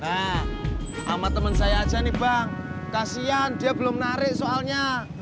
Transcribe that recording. nah sama teman saya aja nih bang kasian dia belum narik soalnya